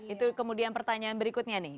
itu kemudian pertanyaan berikutnya nih